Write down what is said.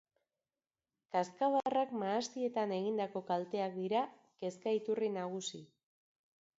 Kazkabarrak mahastietan egindako kalteak dira kezka iturri nagusi.